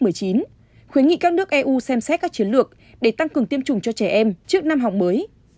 và cũng khuyến nghị các nước eu xem xét các chiến lược để tăng cường tiêm chủng cho trẻ em trước năm học mới